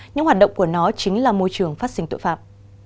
những hoạt động của nó chính là môi trường phát sinh tội phạm